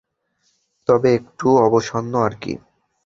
তবে একটু অবসন্ন আরকি।